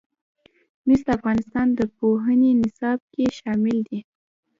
مس د افغانستان د پوهنې نصاب کې شامل دي.